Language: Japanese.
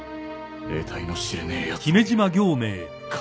えたいの知れねえやつもいる。